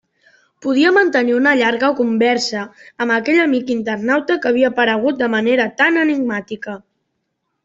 Podia mantenir una llarga «conversa» amb aquell amic internauta que havia aparegut de manera tan enigmàtica.